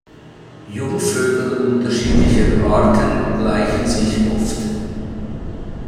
Jungvögel unterschiedlicher Arten gleichen sich oft.